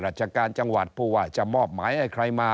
ราชการจังหวัดผู้ว่าจะมอบหมายให้ใครมา